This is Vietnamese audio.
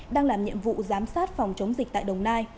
đang làm nhiệm vụ giám sát phòng chống dịch tại đồng nai